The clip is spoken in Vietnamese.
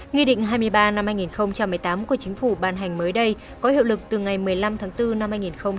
nghị định hai mươi ba năm hai nghìn một mươi tám của chính phủ ban hành mới đây có hiệu lực từ ngày một mươi năm tháng bốn năm hai nghìn một mươi chín